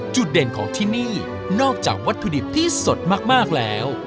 จุดเด่นของที่นี่นอกจากวัตถุดิบที่สดมากแล้ว